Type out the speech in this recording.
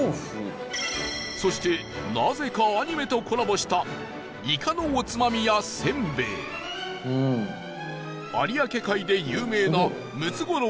そして、なぜかアニメとコラボしたイカのおつまみや、せんべい有明海で有名なムツゴロウやワラスボの干物など